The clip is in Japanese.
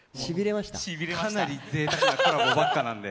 かなりぜいたくなコラボばっかりなんで。